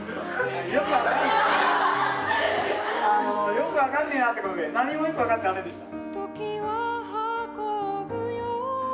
よく分かんねえなってことで何もよく分かってませんでした。